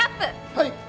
はい？